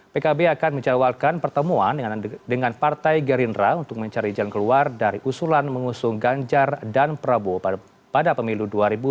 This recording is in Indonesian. pkb akan menjalwalkan pertemuan dengan partai gerindra untuk mencari jalan keluar dari usulan mengusung ganjar dan prabowo pada pemilu dua ribu dua puluh